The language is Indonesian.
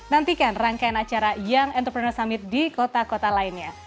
nantikan rangkaian acara young entrepreneur summit di kota kota lainnya